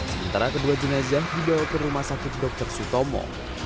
sementara kedua jenazah dibawa ke rumah sakit dr sutomo